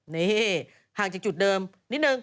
นี่ห่างจากจุดเดิมนิดนึง